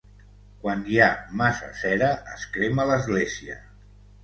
Quan hi ha massa cera es crema l'església.